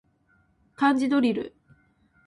漢字ドリル